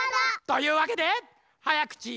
というわけで「早口瓦版」。